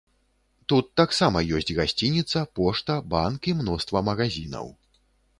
Тут таксама ёсць гасцініца, пошта, банк і мноства магазінаў.